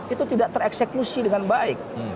itu tidak tereksekusi dengan baik